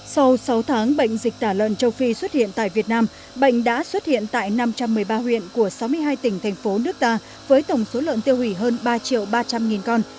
sau sáu tháng bệnh dịch tả lợn châu phi xuất hiện tại việt nam bệnh đã xuất hiện tại năm trăm một mươi ba huyện của sáu mươi hai tỉnh thành phố nước ta với tổng số lợn tiêu hủy hơn ba triệu ba trăm linh con